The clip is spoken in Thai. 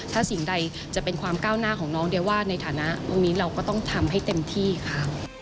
ถ้าสิ่งใดจะเป็นความก้าวหน้าของน้องเดียวว่าในฐานะพวกนี้เราก็ต้องทำให้เต็มที่ค่ะ